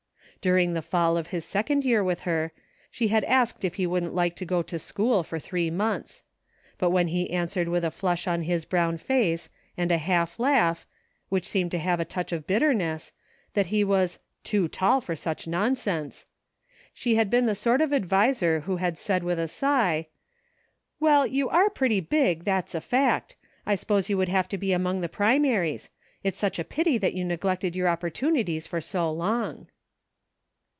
During the fall of his second year with her, she had asked if he wouldn't like to go to school for three months ; but when he answered with a flush on his brown face, and a half laugh, which seemed to have a touch of bitterness, that he was " too tall for such nonsense," she had been the sort of adviser who had said with a sigh :" Well, you are pretty big, that's a fact ; I s'pose you would have to be among the primaries ; it's such a pity that you neglected your opportunities for so long."